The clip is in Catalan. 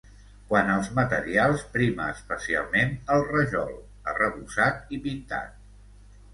Quant als materials prima especialment el rajol, arrebossat i pintat.